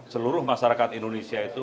seluruh masyarakat indonesia itu